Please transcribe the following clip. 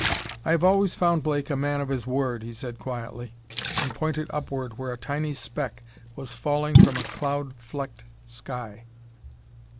"I have always found Blake a man of his word," he said quietly, and pointed upward where a tiny speck was falling from a cloud flecked sky.